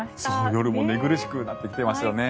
夜も寝苦しくなってきてますよね。